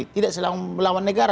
kita tidak sedang melawan negara